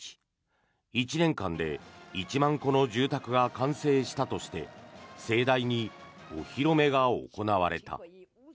１年間で１万戸の住宅が完成したとして盛大にお披露目が行われた。